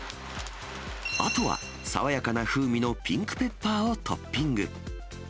あとは、爽やかな風味のピンクペッパーをトッピング。